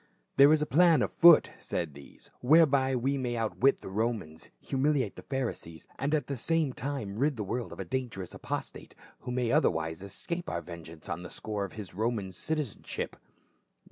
"There is a plan on foot," said these, " whereby we may outwit the Romans, humiliate the Pharisees, and at the same time rid the world of a dan gerous apostate, who may otherwise escape our ven geance on the score of his Roman citizenship."